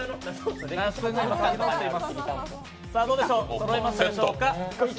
そろいましたでしょうか。